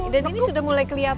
dan ini sudah mulai kelihatan